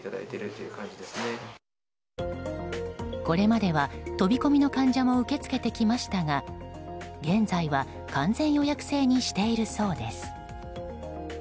これまでは、飛び込みの患者も受け付けてきましたが現在は完全予約制にしているそうです。